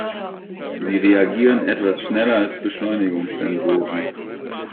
Sie reagieren etwas schneller als Beschleunigungssensoren.